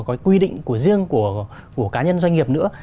mà có quy định của riêng của cá nhân doanh nghiệp nữa